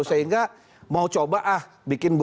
sehingga mau coba ah bikin